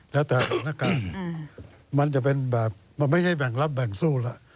และแต่ดักอณักการเนี่ยมันจะเป็นแบบมันไม่ดินแบ่งรับแบ่งสู่แล้ว